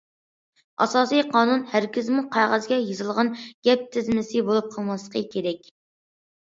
ئاساسىي قانۇن ھەرگىزمۇ قەغەزگە يېزىلغان گەپ تىزمىسى بولۇپ قالماسلىقى كېرەك.